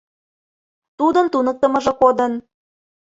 Тудын туныктымыжо кодын.